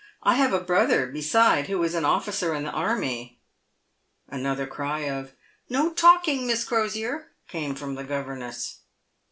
I have a brother, beside, who is an officer in the army." Another cry of, " No talking, Miss Crosier," came from the go verness.